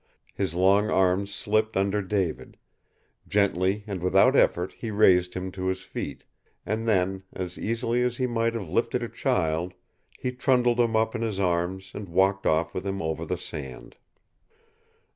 His long arms slipped under David. Gently and without effort he raised him to his feet. And then, as easily as he might have lifted a child, he trundled him up in his arms and walked off with him over the sand.